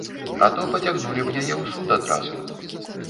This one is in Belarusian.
А то пацягнулі б яе ў суд адразу.